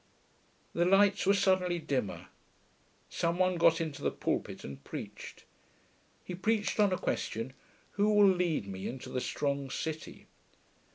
The lights were suddenly dimmer. Some one got into the pulpit and preached. He preached on a question, 'Who will lead me into the strong city?'